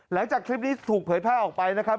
หลังจากคลิปนี้ถูกเผยแพร่ออกไปนะครับ